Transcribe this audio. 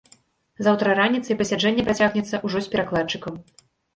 Заўтра раніцай пасяджэнне працягнецца, ужо з перакладчыкам.